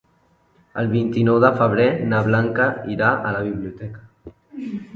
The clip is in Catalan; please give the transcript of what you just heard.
El vint-i-nou de febrer na Blanca irà a la biblioteca.